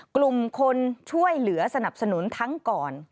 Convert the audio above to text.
กลุ่มคนช่วยเหลือสนับสนุนทั้งก่อน